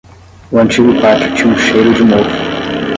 O antigo pátio tinha um cheiro de mofo.